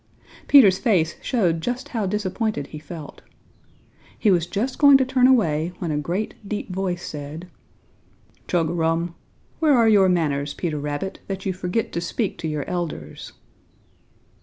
Peter's face showed just how disappointed he felt. He was just going to turn away when a great, deep voice said: "Chug a rum! Where are your manners, Peter Rabbit, that you forget to speak to your elders?"